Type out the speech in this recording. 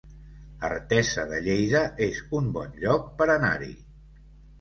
Artesa de Lleida es un bon lloc per anar-hi